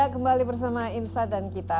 kembali bersama insight dan kita